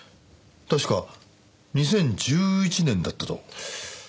確か２０１１年だったと。